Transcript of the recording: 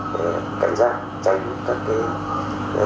để cảnh giác tránh các cái